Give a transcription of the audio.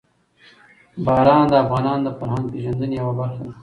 باران د افغانانو د فرهنګي پیژندنې یوه برخه ده.